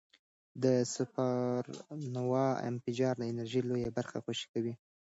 د سوپرنووا انفجار د انرژۍ لویه برخه خوشې کوي.